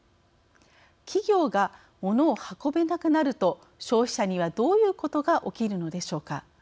企業がモノを運べなくなると消費者にはどういうことが起きるのでしょうか。